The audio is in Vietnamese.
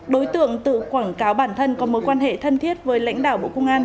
đối tượng tự quảng cáo bản thân có mối quan hệ thân thiết với lãnh đạo bộ công an